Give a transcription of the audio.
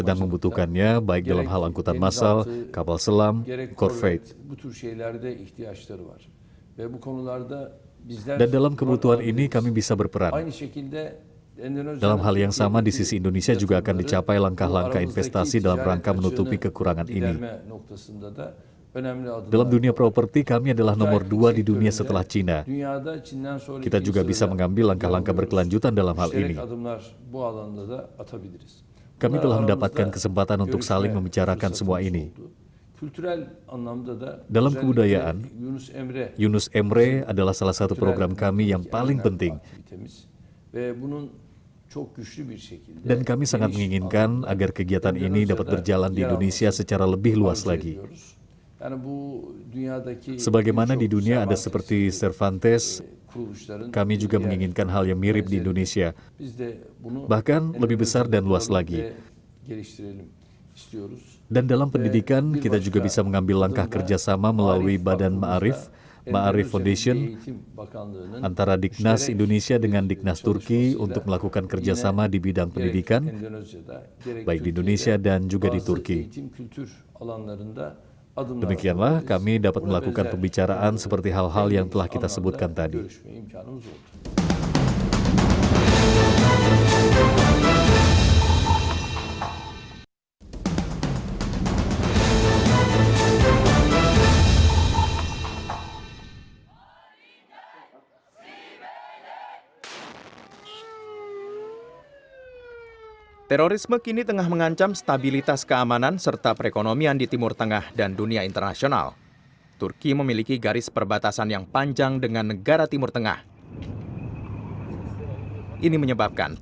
apa yang bisa dilakukan lebih banyak untuk mengelola terorisme